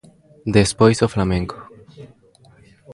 Despois o flamenco.